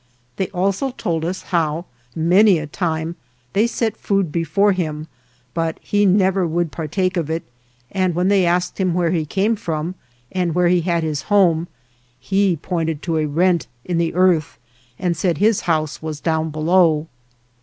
They also told us how, many a time, they set food 109 THE JOURNEY OF before him, but he never would partake of it, and when they asked him where he came from and where he had his home, he pointed to a rent in the earth and said his house was down below.